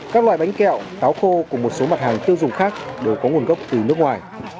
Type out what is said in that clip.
các loại bánh kẹo táo khô cùng một số mặt hàng tiêu dùng khác đều có nguồn gốc từ nước ngoài